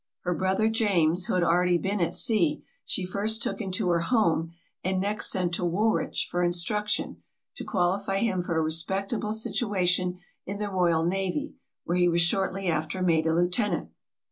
Her brother James, who had already been at sea, she first took into her house, and next sent to Woolwich for instruction, to qualify him for a respectable situation in the royal navy, where he was shortly after made a lieutenant.